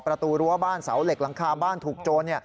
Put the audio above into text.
ประตูรั้วบ้านเสาเหล็กหลังคาบ้านถูกโจร